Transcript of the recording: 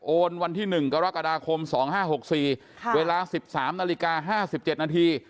วันที่๑กรกฎาคม๒๕๖๔เวลา๑๓นาฬิกา๕๗นาที